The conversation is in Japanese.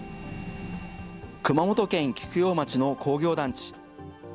熊本県菊陽町の工業団地。